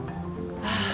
ああ。